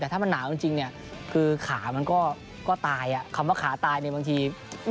แต่ถ้ามันหนาวจริงเนี่ยคือขามันก็ตายคำว่าขาตายเนี่ยบางที